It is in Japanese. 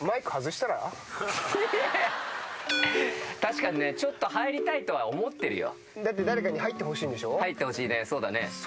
確かにねちょっと入りたいとは思ってるよ。